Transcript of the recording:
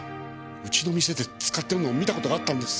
うちの店で使ってるのを見た事があったんです。